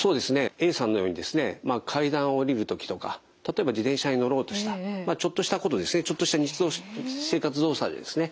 Ａさんのようにですね階段を下りる時とか例えば自転車に乗ろうとしたちょっとしたことでちょっとした日常生活動作でですね